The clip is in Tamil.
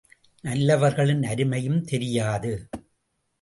நல்லவர்களின் அருமையும் தெரியாது.